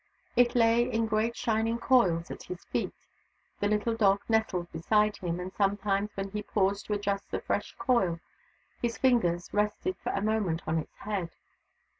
It lay in great shining coils at his feet. The little dog nestled beside him, and sometimes, when he paused to adjust a fresh coil, his fingers rested for a moment on its head.